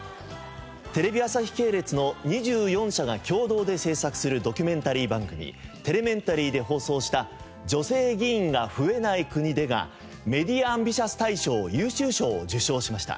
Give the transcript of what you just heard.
テレビ朝日系列の２４社が共同で制作するドキュメンタリー番組『テレメンタリー』で放送した『女性議員が増えない国で』がメディア・アンビシャス大賞優秀賞を受賞しました。